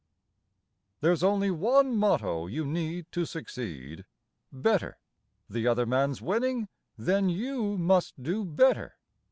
There's only one motto you need To succeed: "Better." To other man's winning? Then you Must do Better.